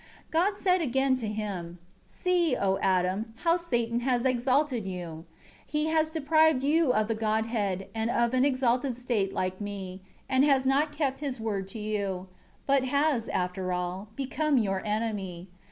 5 God said again to him, "See, O Adam, how Satan has exalted you! He has deprived you of the Godhead, and of an exalted state like Me, and has not kept his word to you; but has, after all, become your enemy.